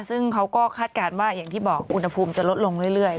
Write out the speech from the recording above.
ซึ่งเขาก็คาดการณ์ว่าอย่างที่บอกอุณหภูมิจะลดลงเรื่อย